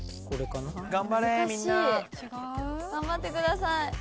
違う？頑張ってください。